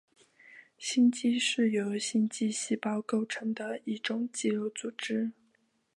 心肌是由心肌细胞构成的一种肌肉组织。